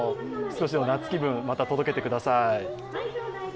少しでも夏気分、また届けてください。